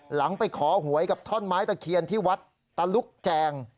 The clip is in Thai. หลังไปขอหวยกับท่อนไม้ตะเคียนที่วัดตะลุกแจง